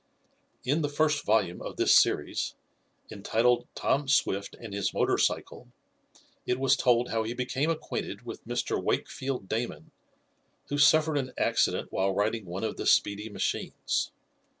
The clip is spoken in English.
In the first volume of this series, entitled "Tom Swift and His Motor Cycle," it was told how he became acquainted with Mr. Wakefield Damon, who suffered an accident while riding one of the speedy machines.